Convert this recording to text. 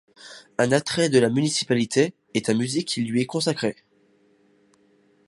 Un attrait de la municipalité est un musée qui lui est consacré.